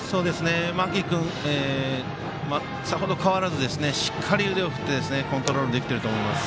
間木君、本当に変わらずしっかり腕を振ってコントロールできてると思います。